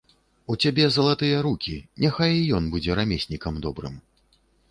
У цябе залатыя рукі, няхай і ён будзе рамеснікам добрым.